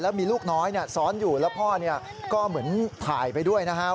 มีลูกน้อยซ้อนอยู่แล้วพ่อก็เหมือนถ่ายไปด้วยนะครับ